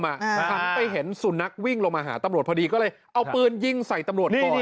หันไปเห็นสุนัขวิ่งลงมาหาตำรวจพอดีก็เลยเอาปืนยิงใส่ตำรวจก่อน